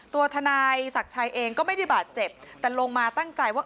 ตัวทนายศักดิ์ชัยเองก็ไม่ได้บาดเจ็บแต่ลงมาตั้งใจว่า